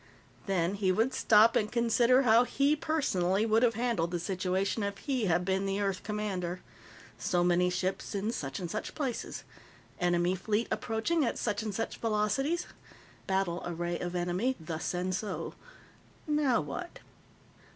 Then he would stop and consider how he, personally, would have handled the situation if he had been the Earth commander. So many ships in such and such places. Enemy fleet approaching at such and such velocities. Battle array of enemy thus and so. Now what?